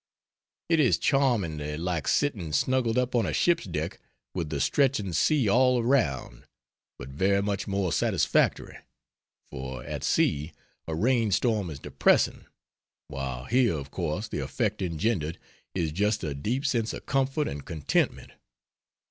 It is charmingly like sitting snuggled up on a ship's deck with the stretching sea all around but very much more satisfactory, for at sea a rain storm is depressing, while here of course the effect engendered is just a deep sense of comfort and contentment.